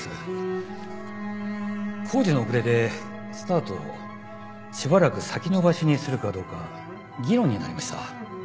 工事の遅れでスタートをしばらく先延ばしにするかどうか議論になりました。